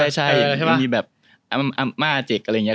ใช่มีแบบอำมาเจ็กอะไรอย่างนี้